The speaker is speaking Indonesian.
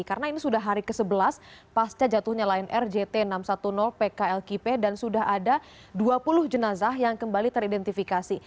karena ini sudah hari ke sebelas pasca jatuhnya lain rgt enam ratus sepuluh pklkp dan sudah ada dua puluh jenazah yang kembali teridentifikasi